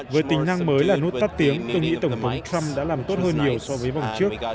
với tính năng mới là nút tắt tiếng tôi nghĩ tổng thống trump đã làm tốt hơn nhiều so với vòng trước